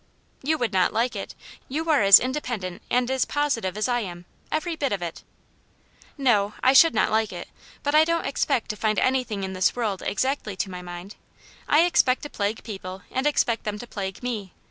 " You would not like it. You are as independent and as positive as J am, every bit of it." '* No, I should not like it. But I don't expect to find anything in this world exactly to my mind. I expect to plague people and expect them to plague me.